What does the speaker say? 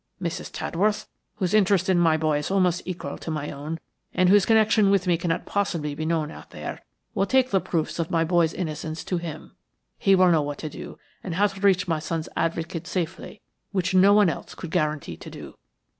Mrs. Tadworth, whose interest in my boy is almost equal to my own, and whose connection with me cannot possibly be known out there, will take the proofs of my boy's innocence to him. He will know what to do and how to reach my son's advocate safely, which no one else could guarantee to do."